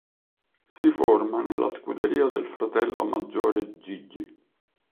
Si forma nella scuderia del fratello maggiore Gigi.